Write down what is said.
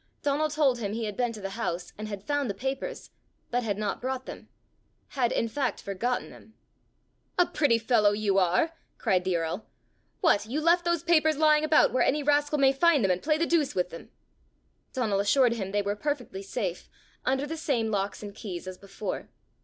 Donal told him he had been to the house, and had found the papers, but had not brought them had, in fact, forgotten them. "A pretty fellow you are!" cried the earl. "What, you left those papers lying about where any rascal may find them and play the deuce with them!" Donal assured him they were perfectly safe, under the same locks and keys as before.